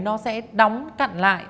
nó sẽ đóng cặn lại